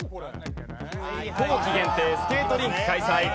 冬季限定スケートリンク開催。